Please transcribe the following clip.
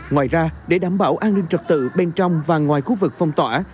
ngoài ra để đảm bảo an ninh trật tự bên trong và ngoài khu vực phong tỏa